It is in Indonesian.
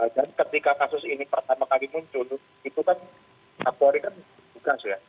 dan ketika kasus ini pertama kali muncul itu kan kapolri kan tugas ya